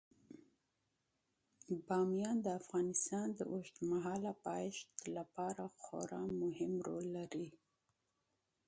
بامیان د افغانستان د اوږدمهاله پایښت لپاره خورا مهم رول لري.